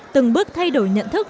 từng bước thay đổi nhận thức